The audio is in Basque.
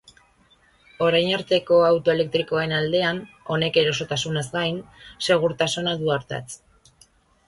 Orain arteko auto elektrikoen aldean, honek erosotasunaz gain, segurtasuna du ardatz.